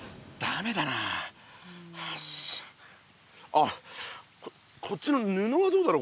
あこっちのぬのはどうだろう？